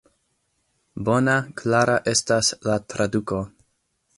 Bona, klara estas la traduko.